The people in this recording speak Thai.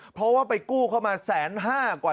เพราะว่าไปกู้เข้ามา๑๕๐๐๐๐กว่า